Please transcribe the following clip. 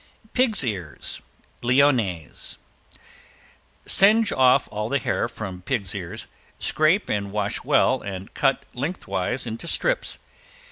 ~PIG'S EARS, LYONNAISE~ Singe off all the hair from pig's ears, scrape and wash well and cut lengthwise into strips.